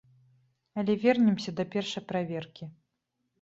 Але вернемся да першай праверкі.